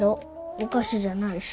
お菓子じゃないし。